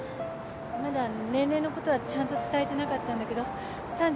まだ年齢のことはちゃんと伝えてなかったんだけど３９歳。